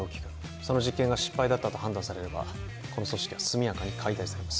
その実験が失敗だったと判断されればこの組織はすみやかに解体されます